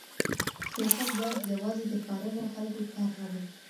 سياست بايد يوازي د فارغو خلګو کار نه وي.